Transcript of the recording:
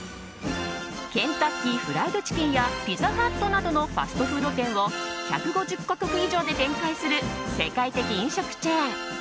ケンタッキーフライドチキンやピザハットなどのファストフード店を１５０か国以上で展開する世界的飲食チェーンＹａｍｕ！